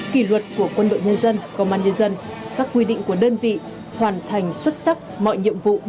kỳ luật của quân đội nhân dân công an nhân dân các quy định của đơn vị hoàn thành xuất sắc mọi nhiệm vụ được giao